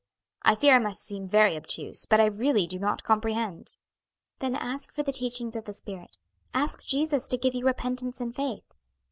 I fear I must seem very obtuse, but I really do not comprehend." "Then ask for the teachings of the Spirit; ask Jesus to give you repentance and faith.